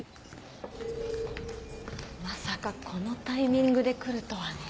まさかこのタイミングで来るとはね。